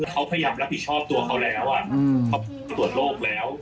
เขาพยายามรับผิดชอบตัวเขาแล้วเขาตรวจโรคแล้ว